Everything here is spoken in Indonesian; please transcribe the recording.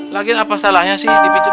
lagian apa salahnya sih dipijin